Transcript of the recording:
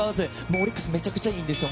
オリックスめちゃくちゃいいんですよ。